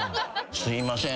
すみません